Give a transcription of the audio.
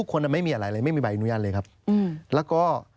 เพราะว่ารายเงินแจ้งไปแล้วเพราะว่านายจ้างครับผมอยากจะกลับบ้านต้องรอค่าเรนอย่างนี้